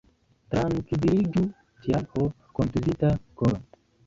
Trankviliĝu, tial, ho, kontuzita koro!